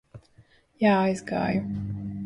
Jā, aizgāju.